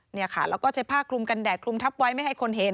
เนี่ยค่ะแล้วก็ใช้ผ้าคลุมกันแดดคลุมทับไว้ไม่ให้คนเห็น